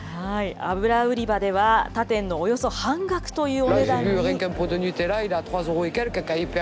油売り場では、他店のおよそ半額というお値段に。